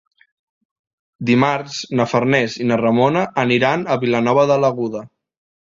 Dimarts na Farners i na Ramona aniran a Vilanova de l'Aguda.